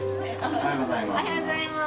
おはようございます。